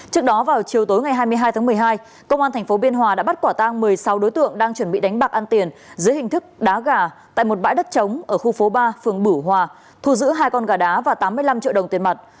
trước đó vào chiều tối ngày hai mươi hai tháng một mươi hai công an tp biên hòa đã bắt quả tang một mươi sáu đối tượng đang chuẩn bị đánh bạc ăn tiền dưới hình thức đá gà tại một bãi đất trống ở khu phố ba phường bửu hòa thu giữ hai con gà đá và tám mươi năm triệu đồng tiền mặt